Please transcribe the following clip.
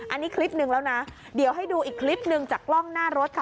อันนี้คลิปหนึ่งแล้วนะเดี๋ยวให้ดูอีกคลิปหนึ่งจากกล้องหน้ารถค่ะ